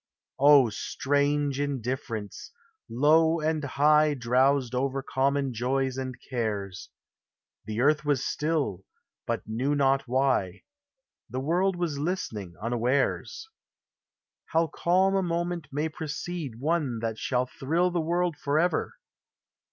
Oh, strange indifference ! low and high Drowsed over common joys and cares; The earth was still — but knew not why ; The world was listening, unawares. THE DIVINE ELEMENT. Gl How calm a moment may precede One thai shall thrill the world forever!